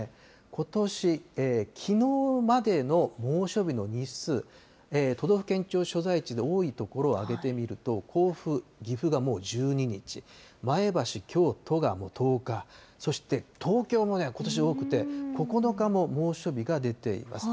ことし、きのうまでの猛暑日の日数、都道府県庁所在地で多い所を挙げてみると、甲府、岐阜がもう１２日、前橋、京都がもう１０日、そして東京もね、ことし多くて、９日も猛暑日が出ています。